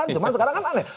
cuma sekarang kan aneh